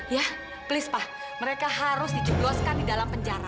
ya please pak mereka harus dijebloskan di dalam penjara